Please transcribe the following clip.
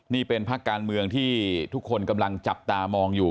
นี่เป็นพักการเมืองที่ทุกคนกำลังจับตามองอยู่